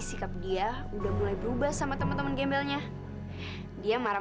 setiap hari dia marah sama aku emosian